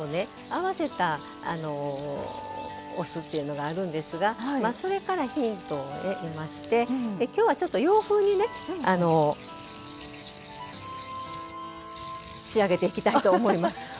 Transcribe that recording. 合わせたお酢っていうのがあるんですがそれからヒントを得まして今日はちょっと洋風にねあの仕上げていきたいと思います。